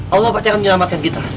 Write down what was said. allah pasti akan menyelamatkan kita